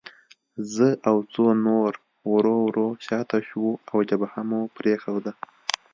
زه او څو نور ورو ورو شاته شوو او جبهه مو پرېښوده